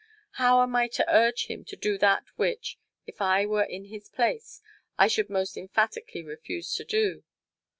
How am I to urge him to do that which, if I were in his place, I should most emphatically refuse to do?